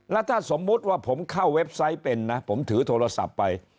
แล้วถ้าสมมุติว่าผมเข้าเว็บไซต์เป็นนะผมถือโทรศัพท์ไป